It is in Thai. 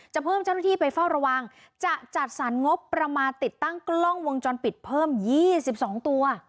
เพิ่มเจ้าหน้าที่ไปเฝ้าระวังจะจัดสรรงบประมาณติดตั้งกล้องวงจรปิดเพิ่ม๒๒ตัว